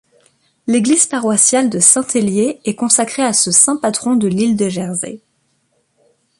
L'église paroissiale de Saint-Hélier est consacré à ce saint patron de l'île de Jersey.